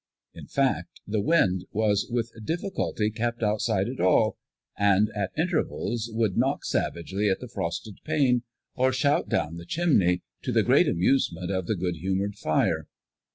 In fact the wind was with difficulty kept outside at all, and at intervals would knock savagely at the frosted pane, or shout down the chimney, to the great amusement of the good humored fire.